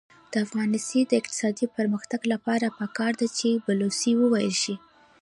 د افغانستان د اقتصادي پرمختګ لپاره پکار ده چې بلوڅي وویل شي.